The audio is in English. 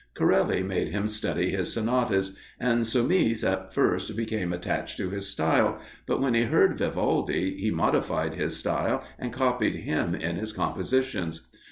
Corelli made him study his sonatas, and Somis at first became attached to his style, but when he heard Vivaldi, he modified his style, and copied him in his compositions.